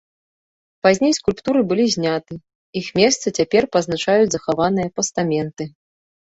Пазней скульптуры былі зняты, іх месца цяпер пазначаюць захаваныя пастаменты.